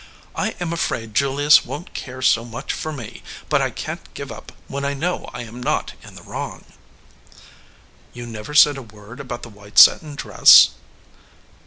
I am afraid Julius won t care so much for me, but I can t give up when I know I am not in the wrong." "You never said a word about the white satin dress?"